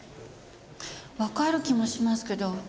わかる気もしますけど。